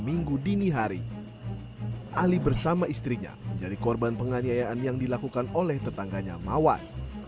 minggu dini hari ali bersama istrinya menjadi korban penganiayaan yang dilakukan oleh tetangganya mawan